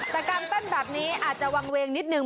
แต่การเต้นแบบนี้อาจจะวางเวงนิดนึง